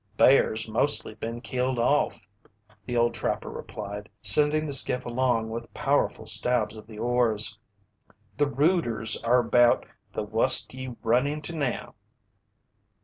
"Bears mostly been killed off," the old trapper replied, sending the skiff along with powerful stabs of the oars. "The rooters are about the wust ye run into now."